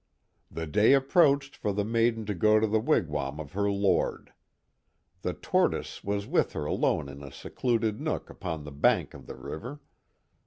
The day approached for the maiden to go to the wigwam of her lord. The Tortoise was with her alone in a secluded nook upon the bank of the river.